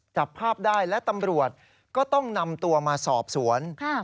จับภาพได้และตำรวจก็ต้องนำตัวมาสอบสวน